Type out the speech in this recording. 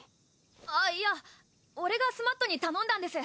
あっいや俺がスマットに頼んだんです。